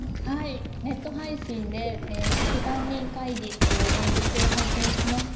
ネット配信で「副担任会議」という演劇を拝見しました。